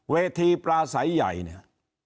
เวทีปลาใสใหญ่เนี่ย